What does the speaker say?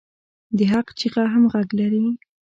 د حق چیغه هم غږ لري